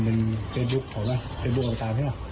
มีชื่อไหม